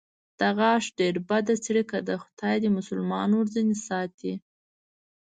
د غاښ ډېره بده څړیکه ده، خدای دې مسلمان ورځنې ساتي.